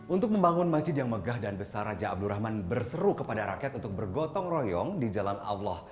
untuk membangun masjid yang megah dan besar raja abdurrahman berseru kepada rakyat untuk bergotong royong di jalan allah